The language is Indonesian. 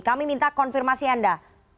kami minta konfirmasi anda